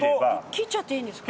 切っちゃっていいんですか？